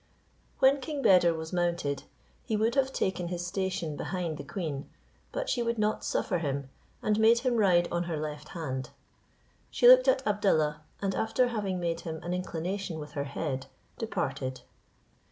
When King Beder was mounted, he would have taken his station behind the queen, but she would not suffer him, and made him ride on her left hand. She looked at Abdallah, and after having made him an inclination with her head, departed.